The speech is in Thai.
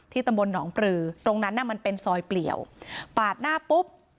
ตำบลหนองปลือตรงนั้นน่ะมันเป็นซอยเปลี่ยวปาดหน้าปุ๊บ